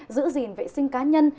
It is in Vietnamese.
giữ gìn vệ sinh cá nhân